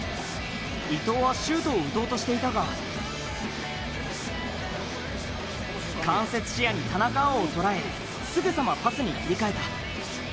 伊東はシュートを打とうとしていたが間接視野に田中碧を捉え、すぐさまパスに切り替えた。